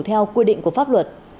theo quy định của pháp luật